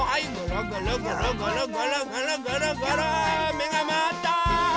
めがまわった！